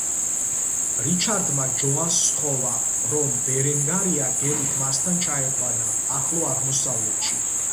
რიჩარდმა ჯოანს სთხოვა, რომ ბერენგარია გემით მასთან ჩაეყვანა ახლო აღმოსავლეთში.